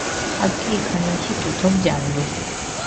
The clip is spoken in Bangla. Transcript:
আজ্ঞে, এখানে এসে প্রথম জানলুম।